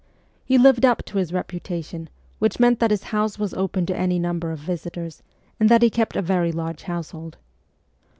He lived up to his reputation, which meant that his house was open to any number of visitors, and that he kept a very large household.